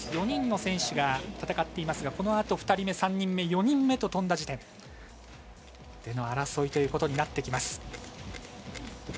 ４人の選手が戦っていますがこのあと１人目、２人目、３人目４人目と飛んだ時点での争いとなってきます。